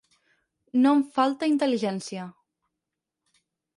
No em falta intel·ligència.